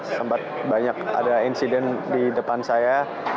sempat banyak ada insiden di depan saya